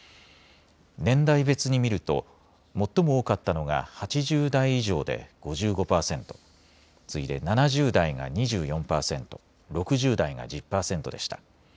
年代別に見ると最も多かったのが８０代以上で５５％、次いで７０代が２４％、６０代が１０％でした。